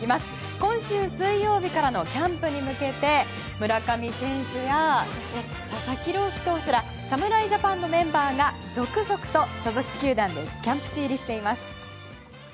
今週水曜日からのキャンプに向けて、村上選手やそして、佐々木朗希投手ら侍ジャパンのメンバーが続々と所属球団でキャンプ地入りしています。